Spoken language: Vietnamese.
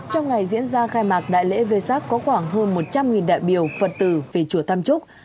trong ngày diễn ra khai mạc đại lễ vê sắc có khoảng hơn một trăm linh đại biểu phật tử về chùa tam trúc